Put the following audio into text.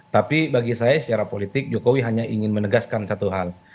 tapi bagi saya secara politik jokowi hanya ingin menegaskan satu hal